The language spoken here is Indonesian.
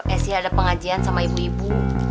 esy ada pengajian sama ibu ibu